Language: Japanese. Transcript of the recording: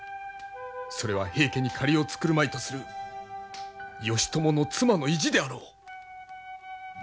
それは平家に借りを作るまいとする義朝の妻の意地であろう。